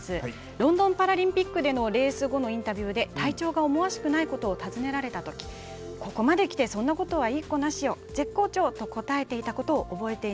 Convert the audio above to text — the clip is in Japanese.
ロンドンパラリンピックのレース後のインタビューで体調が思わしくないことを尋ねられたときここまできてそんなことはいいっこなしよと答えていたことを覚えています。